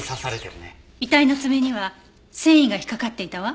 遺体の爪には繊維が引っかかっていたわ。